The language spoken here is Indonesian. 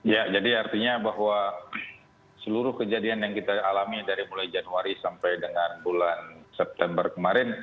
ya jadi artinya bahwa seluruh kejadian yang kita alami dari mulai januari sampai dengan bulan september kemarin